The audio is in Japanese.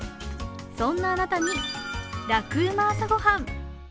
そんなあなたに「ラクうま！朝ごはん」